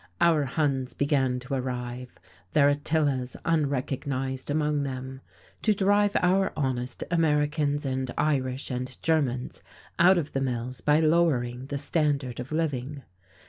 Our Huns began to arrive, their Attilas unrecognized among them: to drive our honest Americans and Irish and Germans out of the mills by "lowering the standard of living."